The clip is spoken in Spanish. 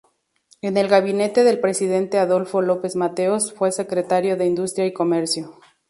En el gabinete del presidente Adolfo López Mateos fue Secretario de Industria y Comercio.